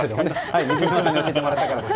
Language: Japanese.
水嶋さんに教えてもらったからです。